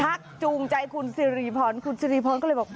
จูงใจคุณสิริพรคุณสิริพรก็เลยบอก